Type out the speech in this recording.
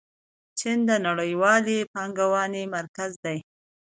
چین د نړیوالې پانګونې مرکز دی.